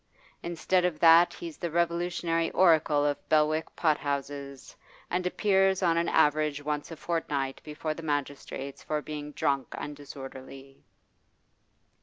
Instead of that he's the revolutionary oracle of Belwick pot houses, and appears on an average once a fortnight before the magistrates for being drunk and disorderly.